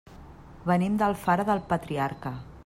Venim d'Alfara del Patriarca.